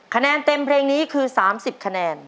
คะแนนเต็มเพลงนี้คือ๓๐คะแนน